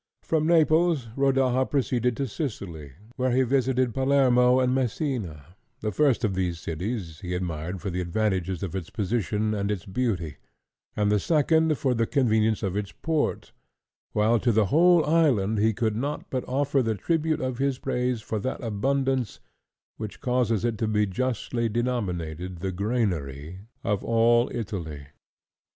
From Naples, Rodaja proceeded to Sicily, where he visited Palermo and Messina; the first of these cities he admired for the advantages of its position and its beauty, and the second for the convenience of its port; while to the whole island he could not but offer the tribute of his praise for that abundance which causes it to be justly denominated the granary of all Italy.